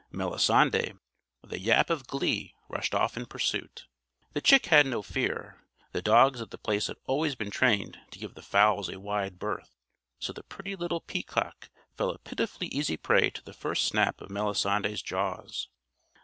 Melisande, with a yap of glee, rushed off in pursuit. The chick had no fear. The dogs of The Place had always been trained to give the fowls a wide berth; so the pretty little peacock fell a pitifully easy prey to the first snap of Melisande's jaws.